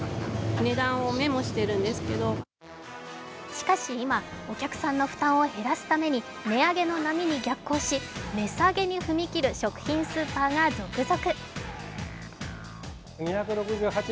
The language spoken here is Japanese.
しかし今、お客さんの負担を減らすために値上げの波に逆行し値下げに踏み切る食品スーパーが続々！